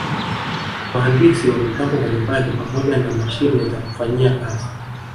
Wahandisi wa mitambo mbalimbali pamoja na mashine za kufanyia kazi